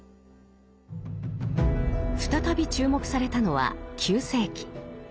再び注目されたのは９世紀。